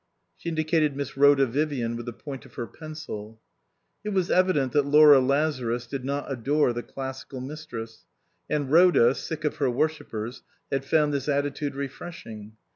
She indicated Miss Khoda Vivian with the point of her pencil. It was evident that Laura Lazarus did not adore the Classical Mistress, and Rhoda, sick of her worshippers, had found this attitude refresh ing.